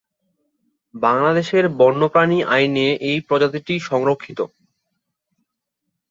বাংলাদেশের বন্যপ্রাণী আইনে এই প্রজাতিটি সংরক্ষিত।